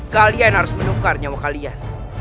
kalian harus menukar nyawa kalian